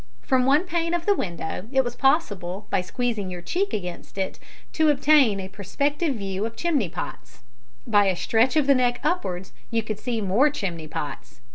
From one pane of the window it was possible, by squeezing your cheek against it, to obtain a perspective view of chimney pots. By a stretch of the neck upwards you could see more chimney pots.